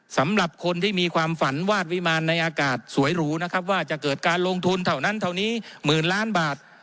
สำหรับคนที่มีความฝันวาดวิมารในอากาศสวยหรูนะครับว่าจะเกิดการลงทุนเท่านั้นเท่านี้หมื่นล้านบาท